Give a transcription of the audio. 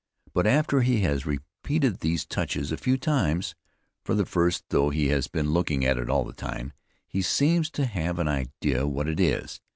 But after he has repeated these touches a few times, for the first (though he has been looking at it all the time) he seems to have an idea what it is.